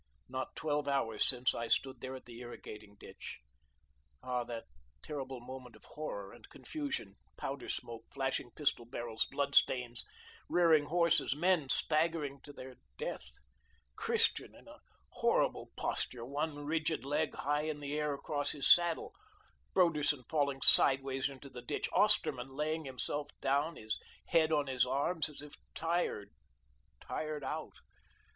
Not twelve hours since I stood there at the irrigating ditch. Ah, that terrible moment of horror and confusion! powder smoke flashing pistol barrels blood stains rearing horses men staggering to their death Christian in a horrible posture, one rigid leg high in the air across his saddle Broderson falling sideways into the ditch Osterman laying himself down, his head on his arms, as if tired, tired out.